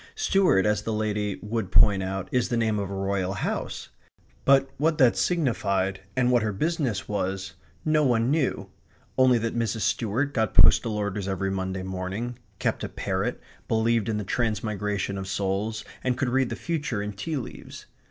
Stuart, as the lady would point out, is the name of a Royal house; but what that signified, and what her business way, no one knew; only that Mrs. Stuart got postal orders every Monday morning, kept a parrot, believed in the transmigration of souls, and could read the future in tea leaves.